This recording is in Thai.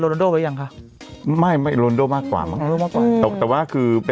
โรนโด้ไปยังคะไม่ไม่โรนโด้มากกว่ามากกว่าแต่ว่าคือ